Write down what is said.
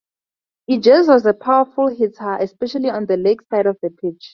Ijaz was a powerful hitter, especially on the leg side of the pitch.